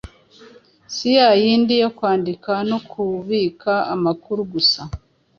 Si ya yindi yo kwandika no kubika amakuru gusa.